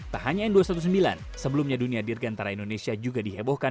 tak hanya n dua ratus sembilan belas sebelumnya dunia dirgantara indonesia juga dihebohkan